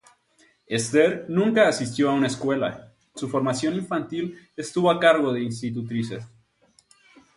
Ester nunca asistió a una escuela; su formación infantil estuvo a cargo de institutrices.